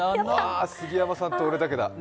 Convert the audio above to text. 杉山さんと俺だけだ。